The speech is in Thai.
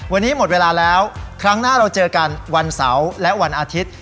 วันนี้หมดเวลาแล้วครั้งหน้าเราเจอกันวันเสาร์และวันอาทิตย์